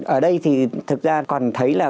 ở đây thì thật ra còn thấy là